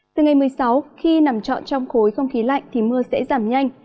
từ ngày một mươi sáu khi nằm trọn trong khối không khí lạnh thì mưa sẽ giảm nhanh